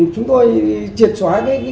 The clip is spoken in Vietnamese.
chúng tôi triệt xóa